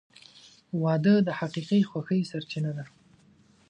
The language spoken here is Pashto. • واده د حقیقي خوښۍ سرچینه ده.